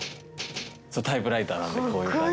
そうタイプライターなんでこういう感じで。